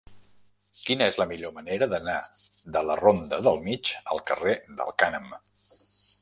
Quina és la millor manera d'anar de la ronda del Mig al carrer del Cànem?